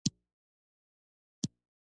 رسوب د افغانستان د پوهنې په نصاب کې شامل دي.